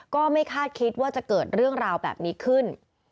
ก็ไม่คาดคิดว่าจะเกิดเรื่องราวแบบนี้ขึ้น